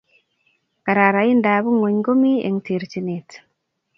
Kararaindap ngony komi eng terchinet